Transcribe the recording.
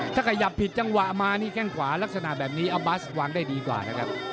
ถ้าขยับผิดจังหวะมานี่แข้งขวาลักษณะแบบนี้เอาบัสวางได้ดีกว่านะครับ